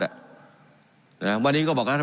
การปรับปรุงทางพื้นฐานสนามบิน